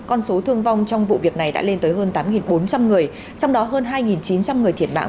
con số thương vong trong vụ việc này đã lên tới hơn tám bốn trăm linh người trong đó hơn hai chín trăm linh người thiệt mạng